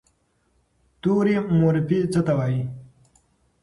توري مورفي څه ته وایي؟